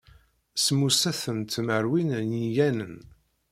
Semmuset n tmerwin n yiyanen.